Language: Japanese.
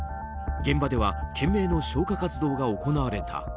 現場では懸命の消火活動が行われた。